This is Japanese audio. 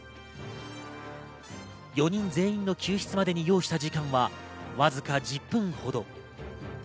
４人全員の救出までに要した時間はわずか１０分ほど。